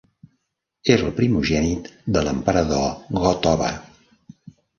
Era el primogènit de l'emperador Go-Toba.